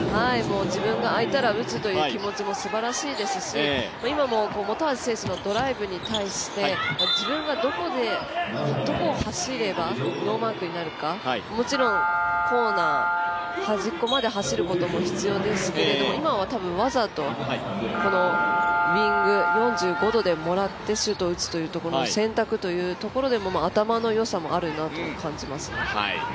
自分が空いたら打つという気持ちもすばらしいですし今も、本橋選手のドライブに対して自分がどこを走ればノーマークになるかもちろんコーナー、端っこまで走ることも必要ですけれども今は、多分わざとウイング４５度でもらってシュートを打つという選択のところの頭の良さもあるなと感じますね。